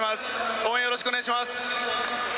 応援よろしくお願いします。